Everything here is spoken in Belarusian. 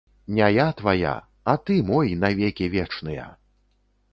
Не я твая, а ты мой на векі вечныя!